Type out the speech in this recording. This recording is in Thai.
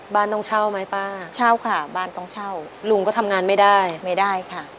บ้านต้องเช่าไหมป้าเช่าค่ะบ้านต้องเช่าลุงก็ทำงานไม่ได้ไม่ได้ค่ะ